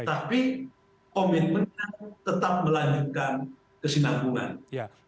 tapi komitmennya tetap melanjutkan kesinambungan